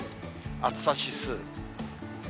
暑さ指数。